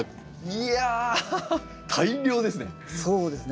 いや大量ですね。